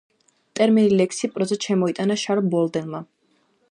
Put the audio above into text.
ტერმინი ლექსი პროზად შემოიტანა შარლ ბოდლერმა.